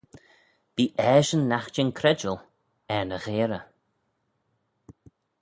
Bee eshyn nagh jean credjal er ny gheyrey.